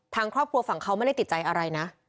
ทางครอบครัวฝั่งเขาไม่ได้ติดใจอะไรนะ